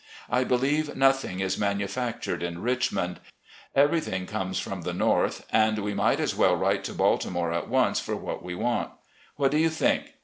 I believe nothing is manu factured in Richmond — everything comes from the North, and we might as well write to Baltimore at once for what we want. What do you think?